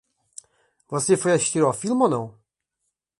Você foi assistir ao filme ou não?